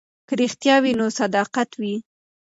که رښتیا وي نو صداقت وي.